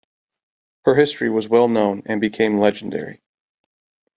Her history was well known and became legendary.